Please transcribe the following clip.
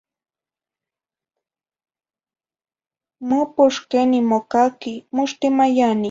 Mopox queni mocaqui, mox timayani?